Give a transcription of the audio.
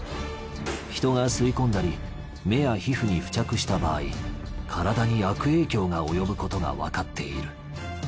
人が吸い込んだり目や皮膚に付着した場合体に悪影響が及ぶことがわかっている。